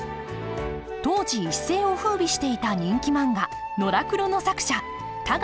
当時一世をふうびしていた人気漫画「のらくろ」の作者田河